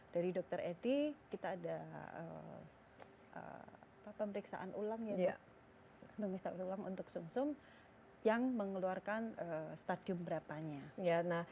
dari dokter edi kita ada pemeriksaan ulang untuk sung sung yang mengeluarkan stadium berapanya